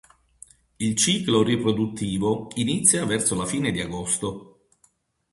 Il ciclo riproduttivo inizia verso la fine di agosto.